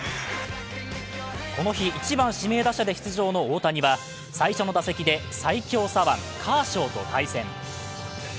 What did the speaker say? この日、１番・指名打者で出場の大谷は最初の打席で最強左腕・カーショーと対戦。